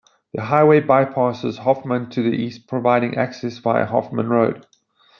The highway bypasses Hoffman to the east, providing access via Hoffman Road.